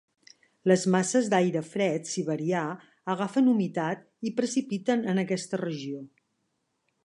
Les masses d'aire fred siberià agafen humitat i precipiten en aquesta regió.